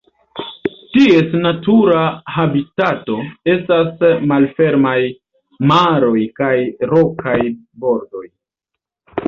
Ties natura habitato estas malfermaj maroj kaj rokaj bordoj.